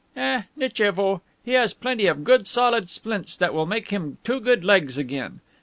"Eh! Nitchevo! He has plenty of good solid splints that will make him two good legs again.